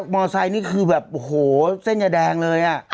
มอสไทยนี่คือแบบโหเส้นแดงเลยอะ